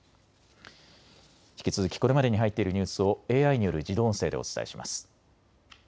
引き続きこれまでに入っているニュースをＡＩによる自動音声でお伝えします。